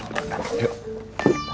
udah udah udah